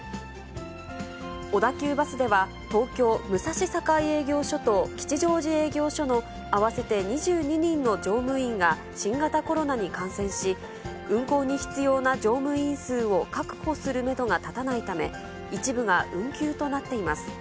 小田急バスでは、東京・武蔵境営業所と吉祥寺営業所の合わせて２２人の乗務員が新型コロナに感染し、運行に必要な乗務員数を確保するメドが立たないため、一部が運休となっています。